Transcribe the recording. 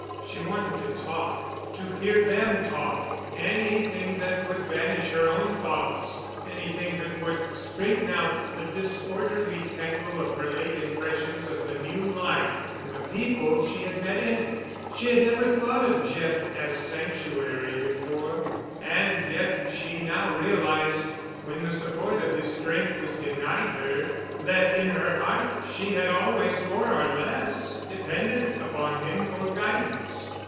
She wanted to talk—to hear them talk—anything that would banish her own thoughts—anything that would straighten out the disorderly tangle of her late impressions of the new life and the people she had met in it. She had never thought of Jeff as sanctuary before, and yet she now realized, when the support of his strength was denied her, that in her heart she had always more or less depended upon him for guidance.